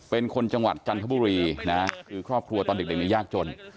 เป็นคนจังหวัดจันทบุรีนะคือครอบครัวตอนเด็กเนี่ยยากจน